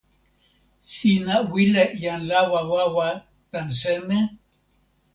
sina wile jan lawa wawa tan seme?